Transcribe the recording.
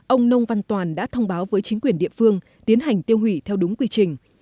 ông nông văn toàn đã thông báo với chính quyền địa phương tiến hành tiêu hủy theo đúng quy trình